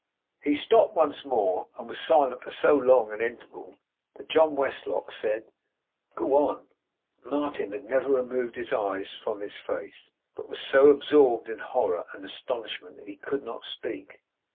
He stopped once more, and was silent for so long an interval that John Westlock said 'Go on.' Martin had never removed his eyes from his face, but was so absorbed in horror and astonishment that he could not speak.